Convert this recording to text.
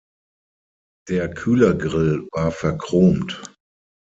Der Kühlergrill war verchromt.